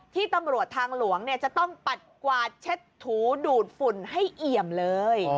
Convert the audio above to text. ที่ตำรวจทางหลวงจะต้องปัดกวาดเช็ดถูดูดฝุ่นให้เอี่ยมเลย